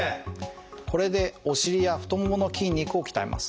これでお尻や太ももの筋肉を鍛えます。